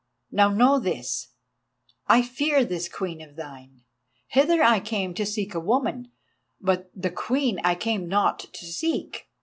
Now know this: I fear this Queen of thine. Hither I came to seek a woman, but the Queen I came not to seek.